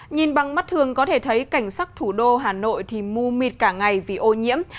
nhìn bằng mắt thường có thể thấy cảnh sắc thủ đô hà nội thì mu mịt cả ngày vì ô nhiễm